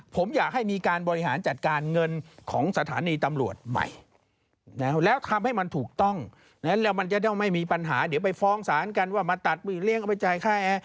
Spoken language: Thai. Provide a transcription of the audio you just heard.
ผมอยากให้มีการบริหารจัดการเงินของสถานีตำรวจใหม่แล้วทำให้มันถูกต้องแล้วมันจะต้องไม่มีปัญหาเดี๋ยวไปฟ้องศาลกันว่ามาตัดมือเลี้ยงเอาไปจ่ายค่าแอร์